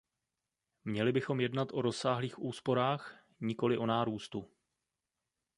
Měli bychom jednat o rozsáhlých úsporách, nikoliv o nárůstu.